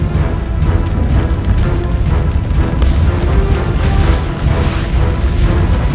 bagaimana akangnya rayyan selam